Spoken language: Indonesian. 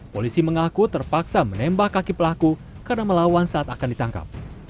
polisi mengaku terpaksa menembak kaki pelaku karena melawan saat akan ditangkap